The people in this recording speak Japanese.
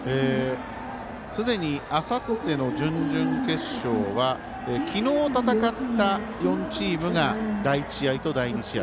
すでに、あさっての準々決勝は昨日戦った４チームが第１試合と第２試合。